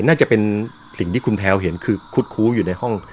น่าจะเป็นสิ่งที่คุณแพลวเห็นคือคุดคู้อยู่ในห้อง